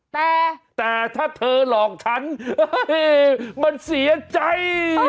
แต่แต่ถ้าเธอหลอกฉันมันเสียใจ